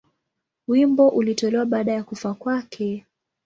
Wimbo ulitolewa baada ya kufa kwake.